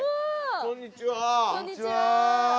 こんにちは。